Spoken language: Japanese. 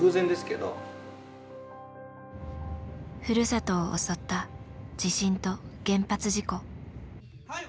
ふるさとを襲った地震と原発事故。